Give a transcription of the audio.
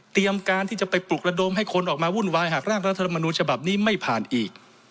การที่จะไปปลุกระดมให้คนออกมาวุ่นวายหากร่างรัฐธรรมนูญฉบับนี้ไม่ผ่านอีก